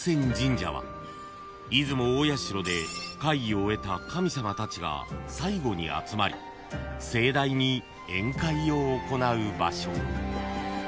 ［出雲大社で会議を終えた神様たちが最後に集まり盛大に宴会を行う場所］